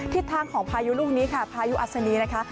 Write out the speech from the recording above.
ทิศทางของพายุลูกนี้ค่ะพายุอัศนีนะคะ